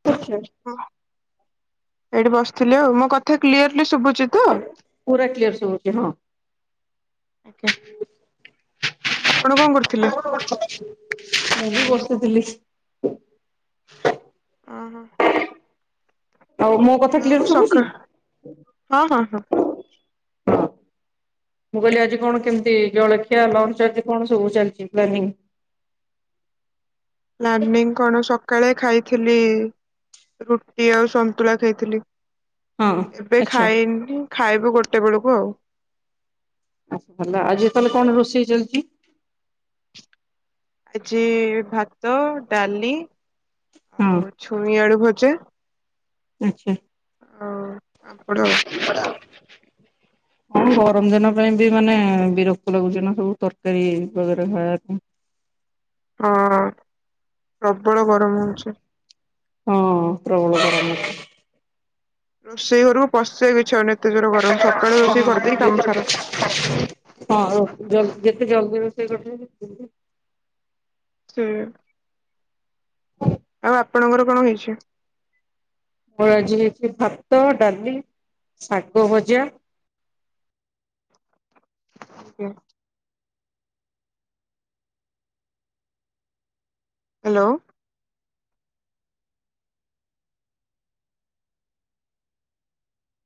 [inaudible] ହଁ, ଏଇଠି ବସିଥିଲି ଆଉ। ମୋ କଥା କ୍ଲିୟରଲି ଶୁଭୁଛି ତ? ପୁରା କ୍ଲିୟର ଶୁଭୁଛି ହଁ। ଆପଣ କଣ କରୁଥିଲେ? [unintelligible] ଖାଇକି ବସିଥିଲି। ଉଁ ହୁ। ଆଉ ମୋ କଥା ଆଉ କ୍ଲିୟର ଶୁଭୁଛି। ସକା ହଁ ହଁ ହଁ ମୁଁ କହିଲି ଆଜି କଣ କେମିତି ଜଳଖିଆ ଲଞ୍ଚ ଆଜି କଣ ସବୁ ଚାଲିଛି ପ୍ଲାନିଂ? ପ୍ଲାନିଂ କଣ ସକାଳେ ଖାଇଥିଲି ରୁଟି ଆଉ ସନ୍ତୁଳା ଖାଇଥିଲି। ହଁ ଏବେ ଆଚ୍ଛା ଖାଇନି ଖାଇବୁ ଗୋଟେ ବେଳକୁ ଆଉ। ଭଲ ଆଜି ତାହେଲେ କଣ ରୋଷେଇ ଚାଲିଛି? ଆଜି ଭାତ ଡାଲି ହଁ ଆଉ ଛୁଇଁ ଆଳୁ ଭଜା। ଉହୁଁ। ଆଉ ପାମ୍ପଡ ଆଉ। [unintelligible] ହଁ ଗରମ ଦିନ ପାଇଁ ବି ମାନେ ବିରକ୍ତ ଲାଗୁଛି ନା ସବୁ ତରକାରୀ ବଗେରା ଖାଇବାପାଇଁ। ହଁ ପ୍ରବଳ ଗରମ ହଉଛି। ହଁ ପ୍ରବଳ ଗରମ ହଉଛି। ରୋଷେଇ ଘରକୁ ପଶିବାକୁ ଇଚ୍ଛା ହଉନି ଏତେ ଜୋର ଗରମ ସକାଳୁ ରୋଷେଇ ଅଛି କରିଦେଇ କାମ ସାର। ହଁ ଯେ ଯେତେ ଜଲଦି ରୋଷେଇ କରିଦେବେ ହୁଁ। ଆପଣଙ୍କର କଣ ହେଇଛି? ଆମର ଆଜି ହେଇଛି ଭାତ, ଡାଲି, ଶାଗଭଜା। ହୁଁ। ହ୍ୟାଲୋ।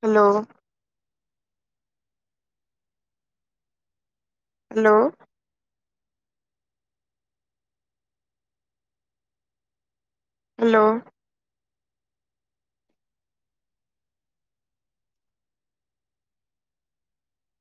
ହ୍ୟାଲୋ। ହ୍ୟାଲୋ। ହ୍ୟାଲୋ।